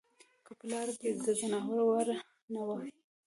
که په لاره کې د ځناورو وېره نه وای